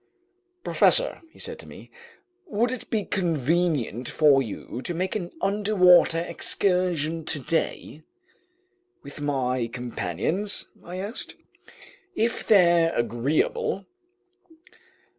"Professor," he said to me, "would it be convenient for you to make an underwater excursion today?" "With my companions?" I asked. "If they're agreeable."